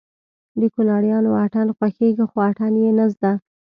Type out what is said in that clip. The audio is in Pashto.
د کونړيانو اتڼ خوښېږي خو اتڼ يې نه زده